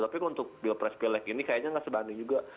tapi untuk pilpres pilek ini kayaknya nggak sebanding juga